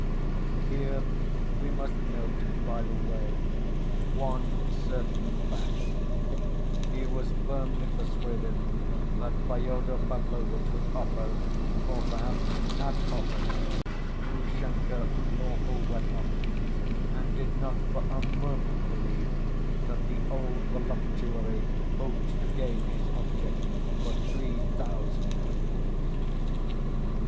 Here, we must note, by the way, one certain fact: he was firmly persuaded that Fyodor Pavlovitch would offer, or perhaps had offered, Grushenka lawful wedlock, and did not for a moment believe that the old voluptuary hoped to gain his object for three thousand roubles.